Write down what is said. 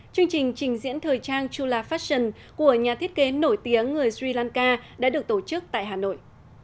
chương trình trình diễn thời trang chula fassion của nhà thiết kế nổi tiếng người sri lanka đã được tổ chức tại hà nội